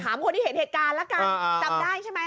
คนที่เห็นเหตุการณ์แล้วกันจำได้ใช่ไหม